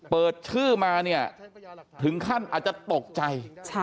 เปิดชื่อมาเนี่ยถึงขั้นอาจจะตกใจ